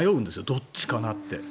どっちかなって。